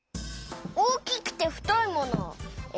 おおきくてふといものをえらぶ。